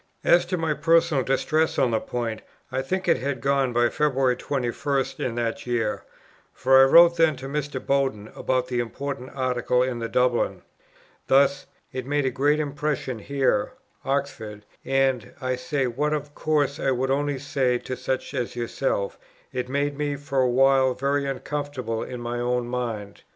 As to my personal distress on the point, I think it had gone by February 21st in that year, for I wrote then to Mr. Bowden about the important Article in the Dublin, thus: "It made a great impression here [Oxford]; and, I say what of course I would only say to such as yourself, it made me for a while very uncomfortable in my own mind.